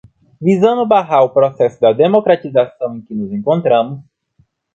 visando barrar o processo da democratização em que nos encontramos